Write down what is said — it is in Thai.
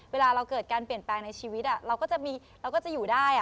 เวลาเราเกิดการเปลี่ยนแปลงในชีวิตเราก็จะอยู่ได้